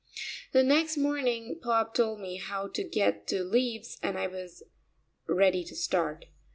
The next morning Bob told me how to get to Lewes and I was ready to start.